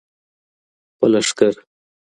په لښکر